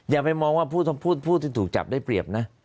อย่าไปมองว่าผู้ที่ถูกจับได้เปรียบนะ